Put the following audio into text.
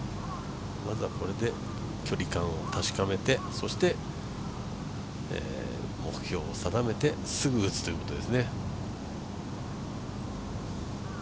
まずはこれで距離感を確かめてそして、目標を定めてすぐ打つということですね。